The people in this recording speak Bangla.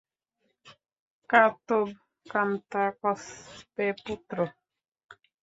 কা তব কান্তা, কস্তে পুত্রঃ!